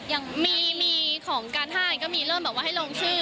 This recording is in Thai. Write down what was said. ยังมีของการท่ายก็มีเริ่มแบบว่าให้ลงชื่อ